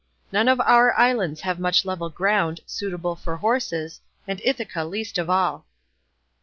48 None of our islands have much level ground, suitable for horses, and Ithaca least of all."